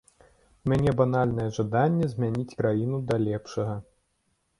У мяне банальнае жаданне змяніць краіну да лепшага.